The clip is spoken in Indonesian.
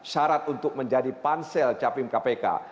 syarat untuk menjadi pansel capim kpk